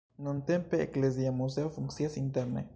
Nuntempe eklezia muzeo funkcias interne.